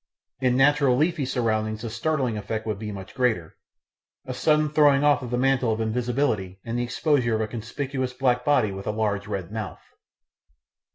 In natural leafy surroundings the startling effect would be much greater a sudden throwing off of the mantle of invisibility and the exposure of a conspicuous black body with a large red mouth.